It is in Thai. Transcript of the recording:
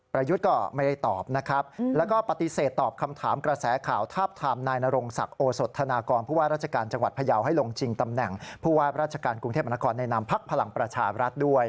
ผู้สิทธิ์ข่าวถามเป็นเรื่องที่